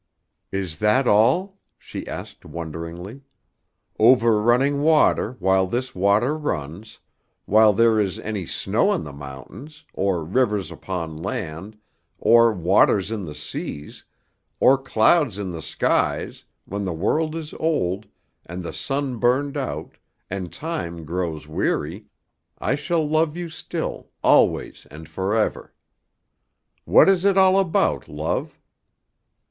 '" "Is that all?" she asked wonderingly. "Over running water, while this water runs, while there is any snow in the mountains, or rivers upon land, or waters in the seas, or clouds in the skies, when the world is old, and the sun burned out, and time grows weary, I shall love you still, always and forever. What is it all about, love?"